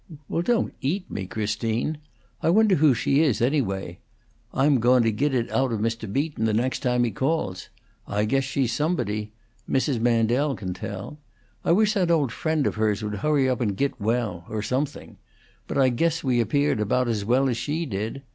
"Well, don't eat me, Christine! I wonder who she is, anyway? I'm goun' to git it out of Mr. Beaton the next time he calls. I guess she's somebody. Mrs. Mandel can tell. I wish that old friend of hers would hurry up and git well or something. But I guess we appeared about as well as she did.